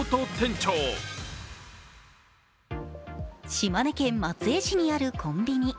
島根県松江市にあるコンビニ。